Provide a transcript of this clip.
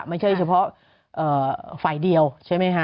ไม่ใช่เฉพาะฝ่ายเดียวใช่ไหมฮะ